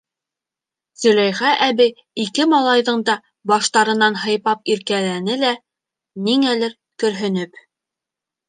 Зөләйха әбей ике малайҙың да баштарынан һыйпап иркәләне лә, ниңәлер көрһөнөп: